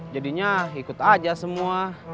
jadinya ikut aja semua